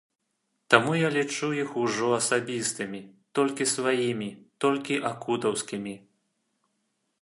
Таму я не лічу іх ужо асабістымі, толькі сваімі, толькі акутаўскімі.